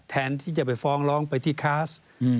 แทนที่จะไปฟ้องร้องไปที่คลาส